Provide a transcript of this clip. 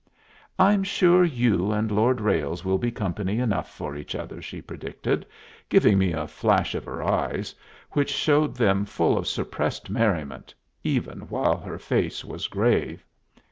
"I'm sure you and Lord Ralles will be company enough for each other," she predicted, giving me a flash of her eyes which showed them full of suppressed merriment, even while her face was grave.